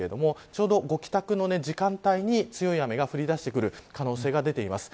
ちょうど帰宅の時間帯に強い雨が降り出してくる可能性が出ています。